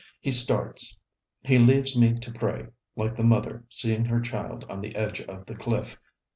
He starts. He leaves me to pray like the mother seeing her child on the edge of the cliff.